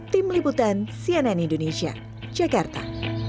tim liputan cnn indonesia jakarta